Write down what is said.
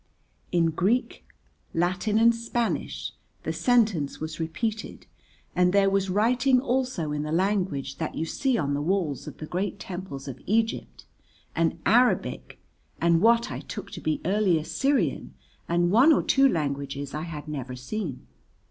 In Greek, Latin and Spanish the sentence was repeated and there was writing also in the language that you see on the walls of the great temples of Egypt, and Arabic and what I took to be early Assyrian and one or two languages I had never seen.